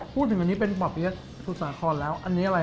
พูดถึงอันนี้เป็นป่อเปี๊ยะสมุทรสาครแล้วอันนี้อะไร